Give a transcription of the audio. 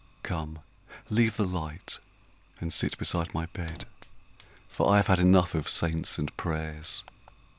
Come, leave the light and sit beside my bed, For I have had enough of saints and prayers.